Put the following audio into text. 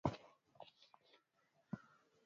Hazikawii kwisha